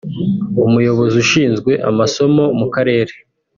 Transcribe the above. umuyobozi ushinzwe amasomo mu karere